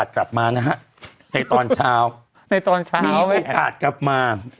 กลับมานะฮะในตอนเช้าในตอนเช้ามีโอกาสกลับมา